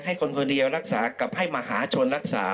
คนคนเดียวรักษากับให้มหาชนรักษา